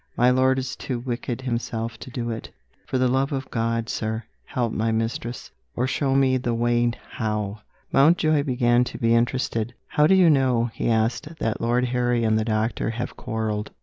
My lord is too wicked himself to do it. For the love of God, sir, help my mistress or show me the way how!" Mountjoy began to be interested. "How do you know," he asked, "that Lord Harry and the doctor have quarrelled?"